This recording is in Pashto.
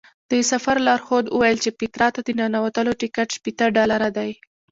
د سفر لارښود وویل چې پیترا ته د ننوتلو ټکټ شپېته ډالره دی.